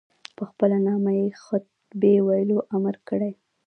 په خپل نامه یې خطبې ویلو امر کړی.